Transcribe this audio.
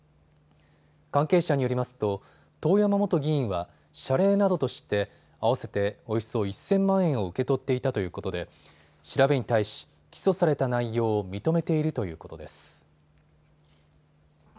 関係者によりますと遠山元議員は謝礼などとして合わせておよそ１０００万円を受け取っていたということで調べに対し、起訴された内容を認めているということです。